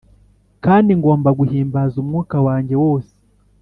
kandi ngomba guhimbaza umwuka wanjye wose.